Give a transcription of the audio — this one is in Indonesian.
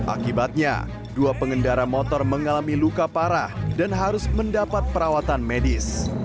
akibatnya dua pengendara motor mengalami luka parah dan harus mendapat perawatan medis